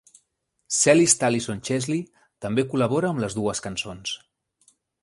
Cellist Alison Chesley també col·labora amb les dues cançons.